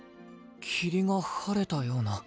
霧が晴れたような。